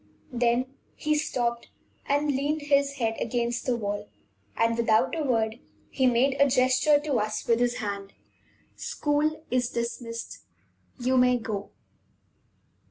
Then he stopped and leaned his head against the wall, and, without a word, he made a gesture to us with his hand; "School is dismissed you may go."